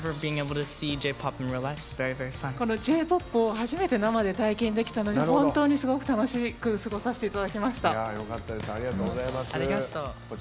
Ｊ‐ＰＯＰを初めて体験できたので、本当にすごく楽しく過ごさせていただきました。